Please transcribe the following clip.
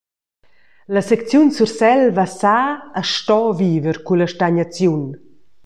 La secziun Surselva sa e sto viver culla stagnaziun.